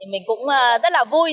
mình cũng rất là vui